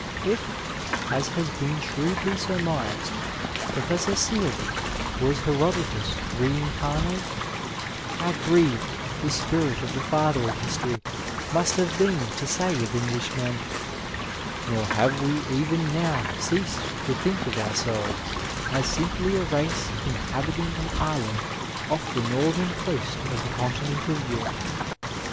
If, as has been shrewdly surmised^ Professor Seely was Herodotus reincarnate, how grieved 171 Digitized by Google BRITISH MEDICINE IN GREATER BRITAIN the spirit of the lather of history must have been to aay of En^hmen, '^ nor have we even now ceased to think of ourselves as simply a race inhabiting an island off the northern coast of the Continent of Europe.